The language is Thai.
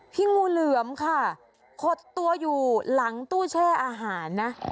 งูเหลือมค่ะขดตัวอยู่หลังตู้แช่อาหารนะ